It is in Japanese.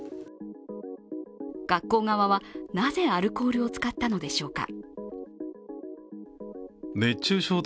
学校側は、なぜアルコールを使ったのでしょうか。